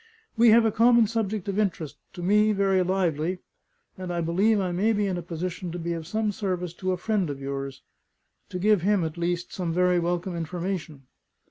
"We have a common subject of interest, to me very lively; and I believe I may be in a position to be of some service to a friend of yours to give him, at least, some very welcome information."